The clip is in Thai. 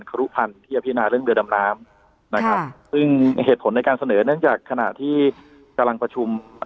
ครุพันธ์ที่อภินาเรื่องเรือดำน้ำนะครับซึ่งเหตุผลในการเสนอเนื่องจากขณะที่กำลังประชุม